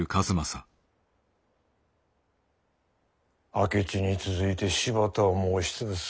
明智に続いて柴田をも押し潰す。